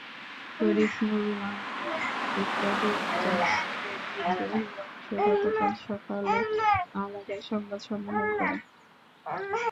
শরীফ নূরুল আম্বিয়ার নেতৃত্বাধীন জাসদের বিদ্রোহী অংশ গতকাল সকালে আলাদা সংবাদ সম্মেলন করে।